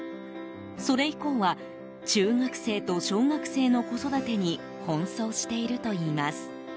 それ以降は中学生と小学生の子育てに奔走しているといいます。